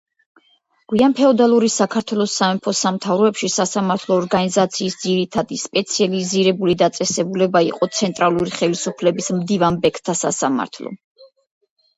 გვიანფეოდალური საქართველოს სამეფო-სამთავროებში სასამართლო ორგანიზაციის ძირითადი, სპეციალიზირებული დაწესებულება იყო ცენტრალური ხელისუფლების მდივანბეგთა სასამართლო.